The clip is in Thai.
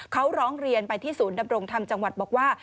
เขาร้องเรียนไปที่ศูนย์ดำรงธรรมจังหวัดบอกว่า